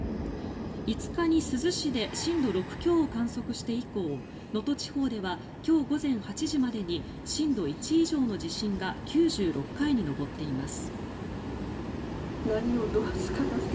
５日に珠洲市で震度６強を観測して以降能登地方では今日午前８時までに震度１以上の地震が９６回に上っています。